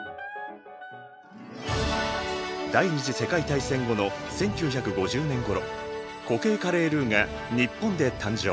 第２次世界大戦後の１９５０年ごろ固形カレールーが日本で誕生。